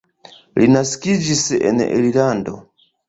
Li naskiĝis en Irlando.